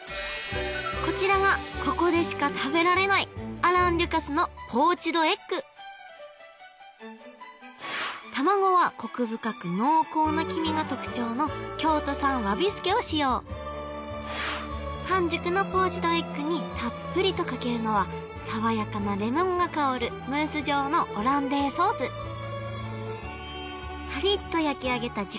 こちらがここでしか食べられないアラン・デュカスのポーチドエッグ卵はコク深く濃厚な黄身が特徴の京都産ＷＡＢＩＳＵＫＥを使用半熟のポーチドエッグにたっぷりとかけるのは爽やかなレモンが香るムース状のオランデーソースカリッと焼き上げた自家製のパンにのせますが